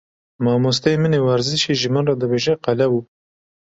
Mamosteyê min ê werzîşê ji min re dibêje qelewo.